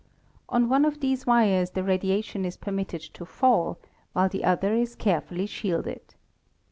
On one of these wires the radiation is permit ted to fall, while the other is carefully shielded.